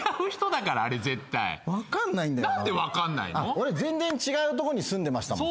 俺全然違うとこに住んでました。